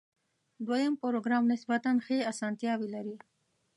دویم پروګرام نسبتاً ښې آسانتیاوې لري.